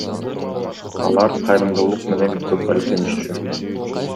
Алар кайрымдуулук менен көп алектенишчү.